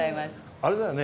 あれだよね？